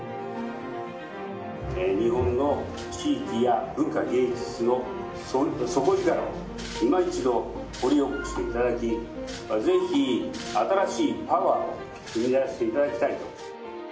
日本の地域や文化芸術の底力をいま一度掘り起こしていただき、ぜひ新しいパワーを生み出していただきたいと。